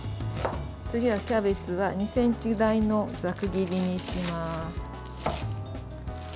キャベツは２ｃｍ大のざく切りにします。